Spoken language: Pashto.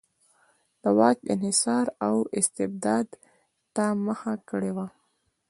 د واک انحصار او استبداد ته مخه کړې وه.